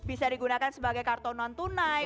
bisa digunakan sebagai kartu non tunai